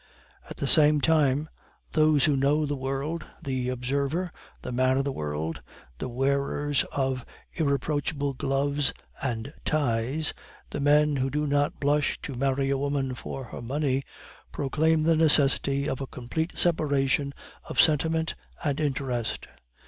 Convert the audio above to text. At the same time, those who know the world, the observer, the man of the world, the wearers of irreproachable gloves and ties, the men who do not blush to marry a woman for her money, proclaim the necessity of a complete separation of sentiment and interest.